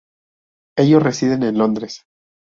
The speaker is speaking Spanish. Ellos residen en Londres.